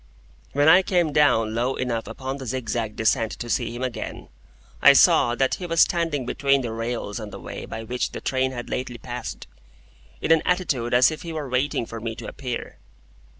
When I came down low enough upon the zigzag descent to see him again, I saw that he was standing between the rails on the way by which the train had lately passed, in an attitude as if he were waiting for me to appear.